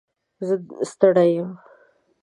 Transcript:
زه ستړی یم.